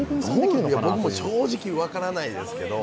僕も正直分からないですけど